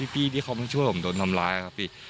พี่ที่เขามาช่วยผมโดนทำร้ายครับพี่